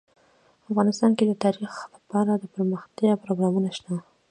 افغانستان کې د تاریخ لپاره دپرمختیا پروګرامونه شته.